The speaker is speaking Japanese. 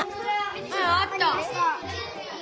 うんあった。